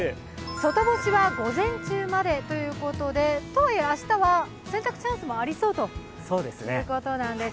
外干しは午前中までということで、とはいえ明日は洗濯チャンスもありそうということなんです。